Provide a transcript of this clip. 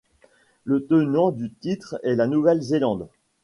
Le tenant du titre est la Nouvelle-Zélande.